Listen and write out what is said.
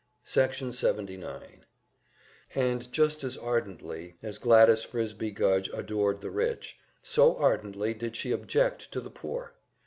Section 79 And just as ardently as Gladys Frisbie Gudge adored the rich, so ardently did she object to the poor.